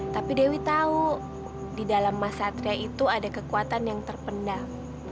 tapi dewi tahu di dalam mas satria itu ada kekuatan yang terpendam